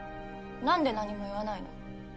なんで何も言わないの？